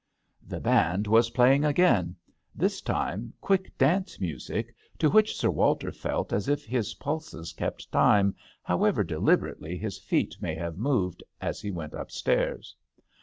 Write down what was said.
^* The band was playing again : this time quick dance music, to which Sir Walter felt as if his pulses kept time, however deliber ately his feet may have moved as he went upstairs.